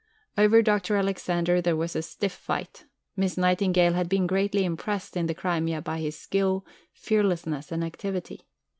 Over Dr. Alexander there was a stiff fight. Miss Nightingale had been greatly impressed in the Crimea by his skill, fearlessness, and activity.